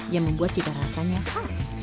yang membuat cita rasanya khas